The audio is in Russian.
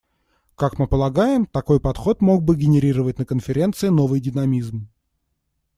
Как мы полагаем, такой подход мог бы генерировать на Конференции новый динамизм.